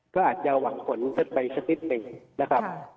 ก็อาจจะหวังผลขึ้นไปสักนิดหนึ่งนะครับ